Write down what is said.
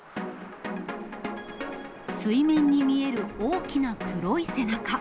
水面に見える大きな黒い背中。